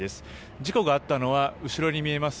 事故があったのは後ろに見えます